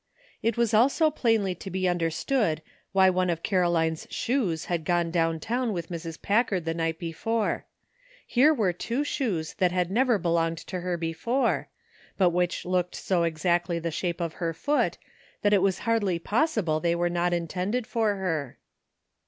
It was also plainly to be understood why one of Caroline's shoes had gone down town with Mrs. Packard the night before ; here were two shoes that had never belonged to her before, but which looked s<5 exactly the shape of her foot that it was hardly possible they were not intended for her.